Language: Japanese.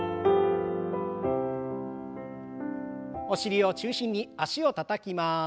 お尻を中心に脚をたたきます。